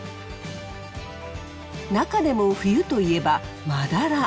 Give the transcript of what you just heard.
中でも冬といえばマダラ。